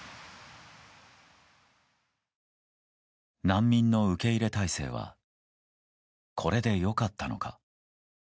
難民の受け入れ体制はこれで良かったのか。